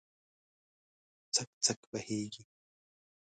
څک، څک بهیږې